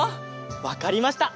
わかりました。